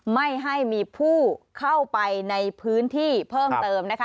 ไม่ให้มีผู้เข้าไปในพื้นที่เพิ่มเติมนะคะ